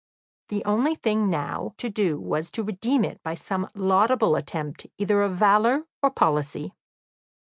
The only thing now to do was to redeem it by some laudable attempt either of valour or policy.